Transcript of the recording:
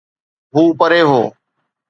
هو پري هو.